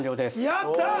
やった！